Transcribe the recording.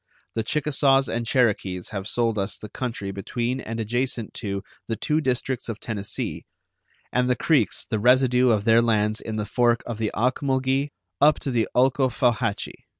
The Chickasaws and Cherokees have sold us the country between and adjacent to the two districts of Tennessee, and the Creeks the residue of their lands in the fork of the Ocmulgee up to the Ulcofauhatche.